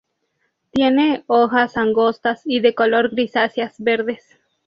Tiene hojas angostas y de color grisáceas verdes.